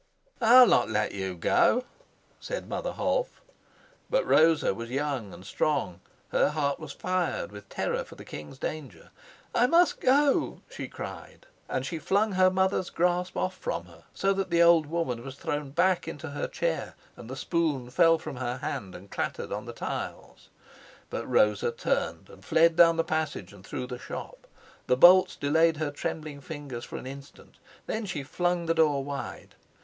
"I'll not let you go," said Mother Holf. But Rosa was young and strong; her heart was fired with terror for the king's danger. "I must go," she cried; and she flung her mother's grasp off from her so that the old woman was thrown back into her chair, and the spoon fell from her hand and clattered on the tiles. But Rosa turned and fled down the passage and through the shop. The bolts delayed her trembling fingers for an instant. Then she flung the door wide.